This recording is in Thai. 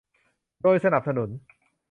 โดยสนับสนุน